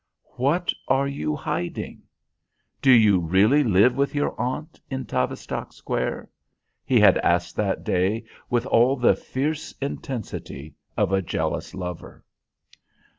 "What are you hiding? Do you really live with your aunt in Tavistock Square?" he had asked that day, with all the fierce intensity of a jealous lover.